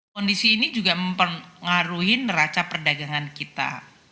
kondisi ini juga mempengaruhi neraca perdagangan kita